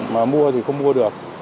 mà mua thì không mua được